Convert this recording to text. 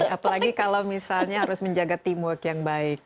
apalagi kalau misalnya harus menjaga teamwork yang baik